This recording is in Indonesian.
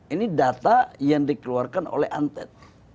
ini data yang dikeluarkan oleh antet